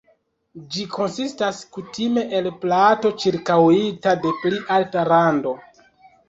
Ĝi konsistas kutime el plato ĉirkaŭita de pli alta rando.